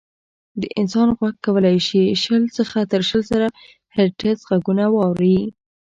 د انسان غوږ کولی شي شل څخه تر شل زره هیرټز غږونه واوري.